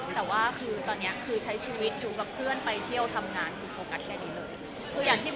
แต่ว่าคือตอนนี้คือใช้ชีวิตอยู่กับเพื่อนไปเที่ยวทำงานคือโฟกัสแค่นี้เลย